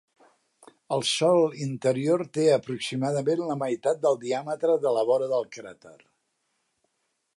El sòl interior té aproximadament la meitat del diàmetre de la vora del cràter.